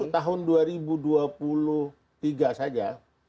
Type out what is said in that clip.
makanya sekarang ini untuk tahun dua ribu dua puluh tiga saja